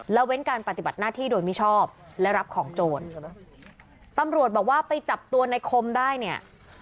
แล้วเว้นการปฏิบัติหน้าที่โดยมิชอบและรับของโจรตำรวจบอกว่าไปจับตัวในคมได้เนี่ย